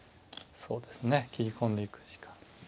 そうですね斬り込んでいくしか。